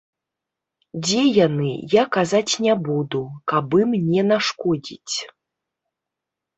Дзе яны, я казаць не буду, каб ім не нашкодзіць.